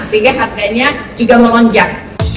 sehingga harganya juga melonjak